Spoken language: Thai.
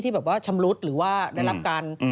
แบบว่าชำรุดหรือว่าได้รับการ